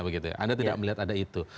anda tidak melihat ada itu